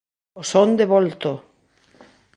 O son de Volto!